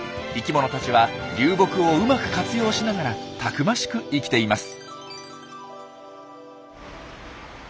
生きものたちは流木をうまく活用しながらたくましく生きています。